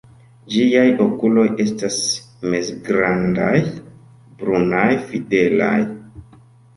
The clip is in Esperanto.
Ĝiaj okuloj estas mezgrandaj, brunaj, fidelaj.